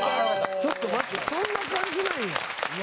ちょっと待ってそんな感じなんや。